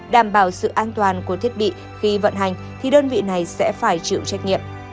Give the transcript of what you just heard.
đảm bảo sự an toàn của thiết bị khi vận hành thì đơn vị này sẽ phải chịu trách nhiệm